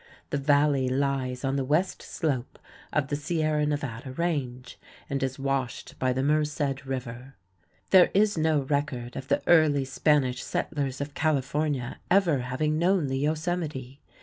The Valley lies on the west slope of the Sierra Nevada range, and is washed by the Merced River. There is no record of the early Spanish settlers of California ever having known the Yosemite.